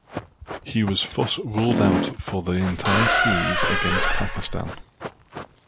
He was thus ruled out for the entire series against Pakistan.